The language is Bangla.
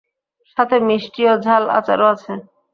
সাথে মিষ্টি ও ঝাল আচারও আছে।